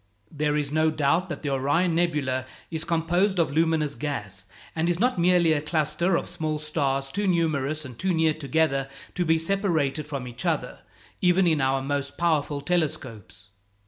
There is no doubt that the Orion nebula is composed of luminous gas, and is not merely a cluster of small stars too numerous and too near together to be separated from each other, even in our most powerful telescopes.